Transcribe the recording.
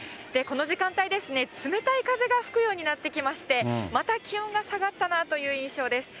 この時間帯ですね、冷たい風が吹くようになってきまして、また気温が下がったなという印象です。